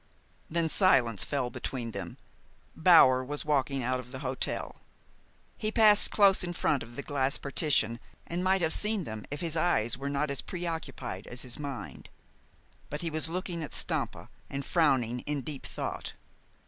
Then a silence fell between them. Bower was walking out of the hotel. He passed close in front of the glass partition, and might have seen them if his eyes were not as preoccupied as his mind. But he was looking at Stampa, and frowning in deep thought.